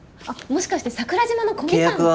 あっもしかして桜島の小みかん。